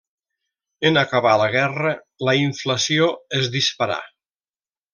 En acabar la guerra, la inflació es disparà.